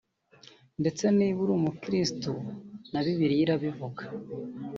ndetse niba uri n’Umukirisitu na Bibiliya irabivuga